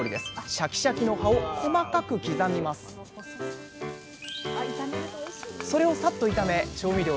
シャキシャキの葉を細かく刻みますそれをさっと炒め調味料で味付け。